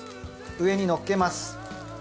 上にのっけます。